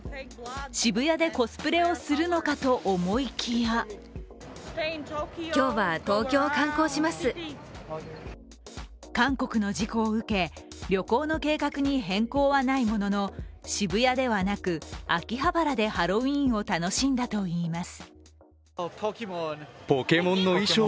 渋谷でコスプレをするのかと思いきや韓国の事故を受け旅行の計画に変更はないものの渋谷ではなく秋葉原でハロウィーンを楽しんだといいます。